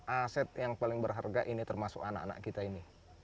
aset yang paling berharga ini termasuk anak anak kita ini